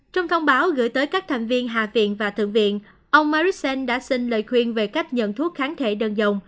trong thông báo gửi tới các thành viên hạ viện và thượng viện ông marissen đã xin lời khuyên về cách nhận thuốc kháng thể đơn dòng